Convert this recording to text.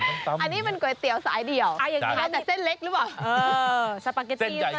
ก๋วยเตี๋ยวสายดีหรอใช่แต่เส้นเล็กหรือเปล่า